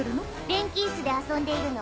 電気イスで遊んでいるの。